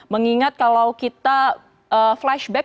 mengingat kalau kita flashback